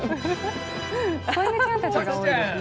子犬ちゃんたちが多いですね。